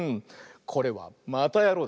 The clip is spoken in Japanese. これは「またやろう！」